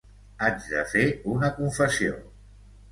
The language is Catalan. Haig de fer una confessió.